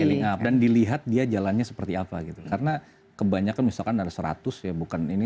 keliling up dan dilihat dia jalannya seperti apa gitu karena kebanyakan misalkan ada seratus ya bukan ini